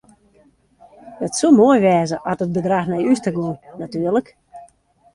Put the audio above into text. It soe moai wêze at it bedrach nei ús ta gong natuerlik.